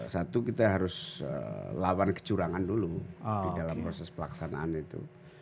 satu kita harus lawan kecurangan dulu di dalam proses pelaksanaan itu